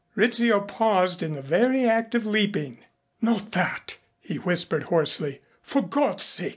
Rizzio paused in the very act of leaping. "Not that," he whispered hoarsely, "for God's sake not that."